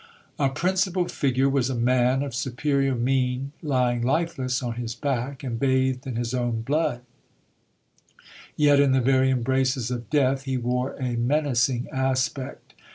A principal ■ gure was a man of superior mien, lying lifeless on his back, and bathed in his own blood ; yet in the very embraces of death he wore THE FATAL MARRIAGE. 119 a menacing aspect.